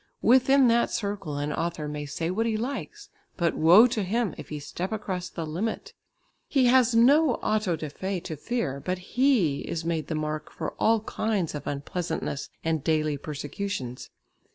Within that circle an author may say what he likes, but woe to him if he step across the limit. He has no auto da fé to fear, but he is made the mark for all kinds of unpleasantness and daily persecutions.